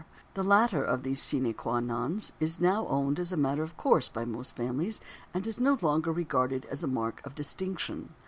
The latter of these "sine qua nons" is now owned as a matter of course by most families and is no longer regarded as a mark of distinction.